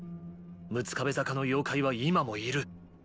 「六壁坂」の妖怪は今もいる。